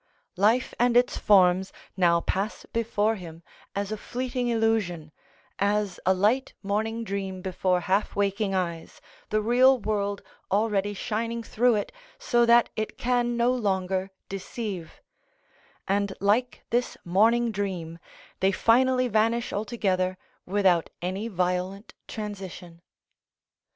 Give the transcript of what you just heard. Life and its forms now pass before him as a fleeting illusion, as a light morning dream before half waking eyes, the real world already shining through it so that it can no longer deceive; and like this morning dream, they finally vanish altogether without any violent transition.